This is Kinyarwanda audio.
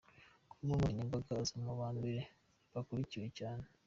Ku mbuga nkoranyambaga, aza mu ba mbere bakurikiwe cyane.